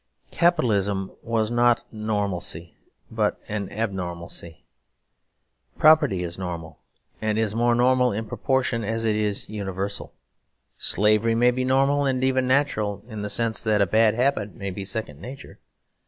Capitalism was not a normalcy but an abnormalcy. Property is normal, and is more normal in proportion as it is universal. Slavery may be normal and even natural, in the sense that a bad habit may be second nature.